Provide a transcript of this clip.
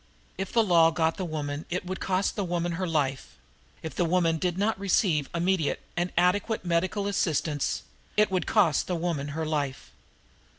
If the law got the woman it would cost the woman her life; if the woman did not receive immediate and adequate medical assistance it would cost the woman her life.